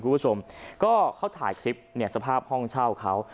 คุณผู้ชมก็เขาถ่ายคลิปเนี่ยสภาพห้องเช่าเขา